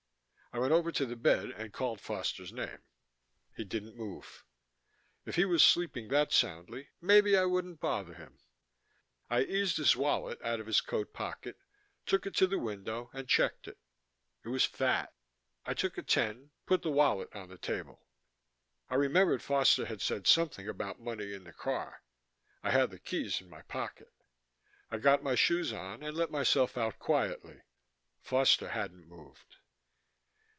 I went over to the bed and called Foster's name. He didn't move. If he was sleeping that soundly, maybe I wouldn't bother him.... I eased his wallet out of his coat pocket, took it to the window and checked it. It was fat. I took a ten, put the wallet on the table. I remembered Foster had said something about money in the car. I had the keys in my pocket. I got my shoes on and let myself out quietly. Foster hadn't moved.